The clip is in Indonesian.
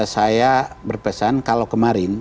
saya berpesan kalau kemarin